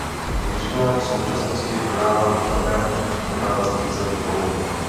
Většina v současnosti prodávaných perel pochází z chovů.